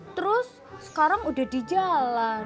terus sekarang udah di jalan